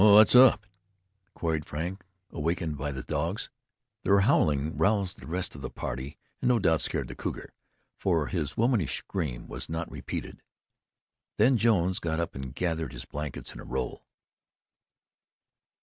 "What's up?" queried Frank, awakened by the dogs. Their howling roused the rest of the party, and no doubt scared the cougar, for his womanish screech was not repeated. Then Jones got up and gatherered his blankets in a roll.